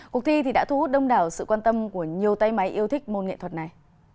cuộc thi đã thu hút đông đảo sự quan tâm của nhiều tay máy yêu thích môn nghệ thuật này